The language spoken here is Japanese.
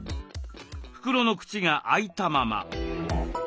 袋の口が開いたまま。